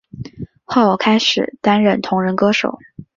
后开始担任同人歌手。